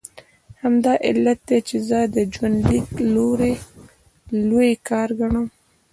همدا علت دی چې زه دا ژوندلیک لوی کار ګڼم.